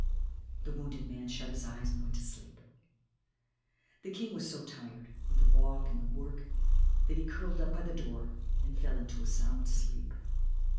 The wounded man shut his eyes and went to sleep. The King was so tired with the walk and the work that he curled up by the door and fell into a sound sleep.